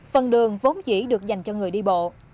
phần đường vốn chỉ được dành cho người đi bộ